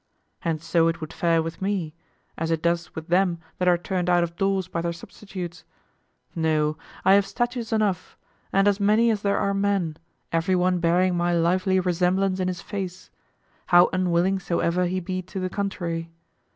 And so it would fare with me, as it does with them that are turned out of doors by their substitutes. No, I have statues enough, and as many as there are men, everyone bearing my lively resemblance in his face, how unwilling so ever he be to the contrary.